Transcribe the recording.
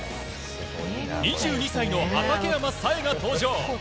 ２２歳の畠山紗英が登場。